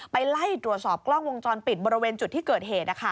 ไล่ตรวจสอบกล้องวงจรปิดบริเวณจุดที่เกิดเหตุ